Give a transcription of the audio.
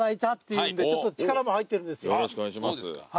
よろしくお願いします。